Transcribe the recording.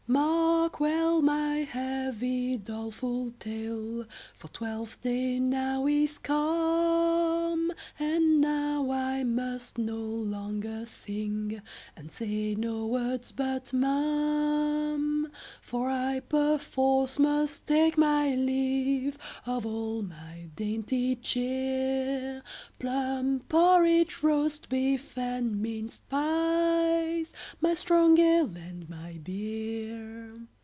Mark well my heavy, doleful tale, For Twelfth day now is come, And now I must no longer sing, And say no words but mum; For I perforce must take my leave Of all my dainty cheer, Plum porridge, roast beef, and minced pies, My strong ale and my beer.